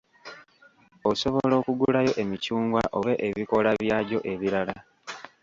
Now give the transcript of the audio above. Osobola okugulayo emicungwa oba ebikoola byagyo ebiralala.